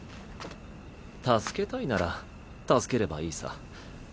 助けたいなら助ければいいさ。